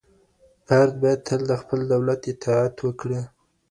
فرد باید تل د خپل دولت اطاعت وکړي.